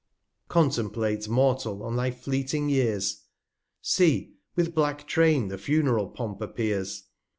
Contemplate, Mortal, on thy fleeting Years; 225 See, with black Train the Funeral Pomp appears